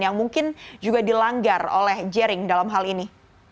yang mungkin juga dilanggar oleh jering dalam hal ini